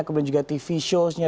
kemudian juga tv showsnya